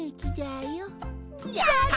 やった！